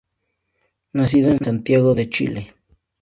Nacido en Santiago de Chile.